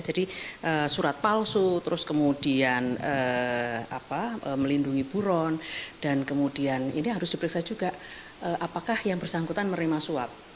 jadi surat palsu terus kemudian melindungi buron dan kemudian ini harus diperiksa juga apakah yang bersangkutan menerima suap